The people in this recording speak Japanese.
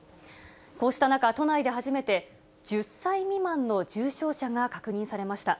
こうした中、都内で初めて１０歳未満の重症者が確認されました。